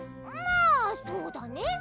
まあそうだね。